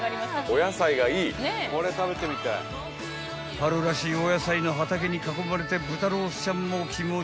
［春らしいお野菜の畑に囲まれて豚ロースちゃんも気持ち良か］